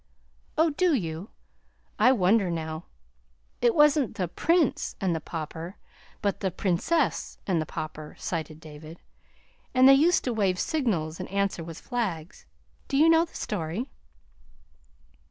"Oh, do you? I wonder now! It wasn't 'The PRINCE and the Pauper,' but the PRINCESS and the Pauper," cited David; "and they used to wave signals, and answer with flags. Do you know the story?"